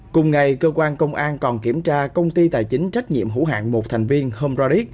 cùng ngày cơ quan công an còn kiểm tra công ty tài chính trách nhiệm hữu hạng một thành viên home raric